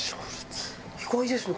意外ですね。